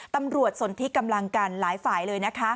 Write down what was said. ตำรวจส่วนที่กำลังกันหลายฝ่ายเลย